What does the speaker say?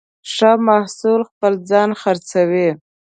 ښه محصول خپله ځان خرڅوي.